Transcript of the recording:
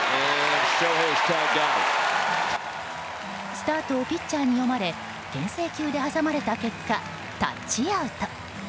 スタートをピッチャーに読まれ牽制球で挟まれた結果タッチアウト。